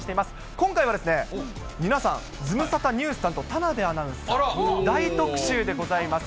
今回は皆さん、ズムサタニュース担当田辺アナウンサー、大特集でございます。